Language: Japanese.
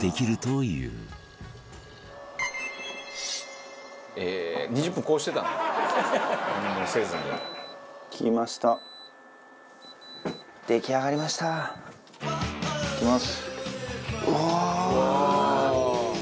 いきます。